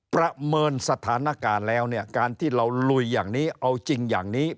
ประเมินสถานการณ์แล้วเนี่ยการที่เราลุยอย่างนี้เอาจริงอย่างนี้